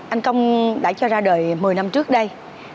anh công đã cho ra đời một mươi năm trước đây